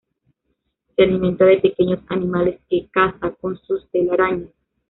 Se alimenta de pequeños animales que caza con sus telarañas.